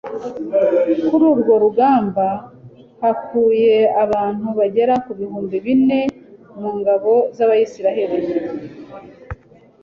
kuri urwo rugamba haguye abantu bagera ku bihumbi bine mu ngabo z'abayisraheli